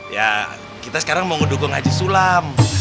ya kita sekarang mau ngedukung haji sulam